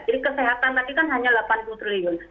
jadi kesehatan tadi kan hanya delapan puluh triliun